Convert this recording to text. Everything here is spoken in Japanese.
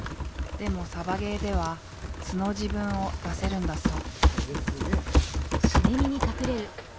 でもサバゲーでは素の自分を出せるんだそう。